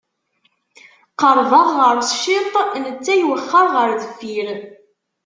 Qerrbeɣ ɣer-s ciṭ, netta iwexxer ɣer deffir.